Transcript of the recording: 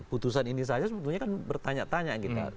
putusan ini saja sebetulnya kan bertanya tanya gitu